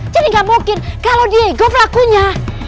jadi gak mungkin kalau diego pelakunya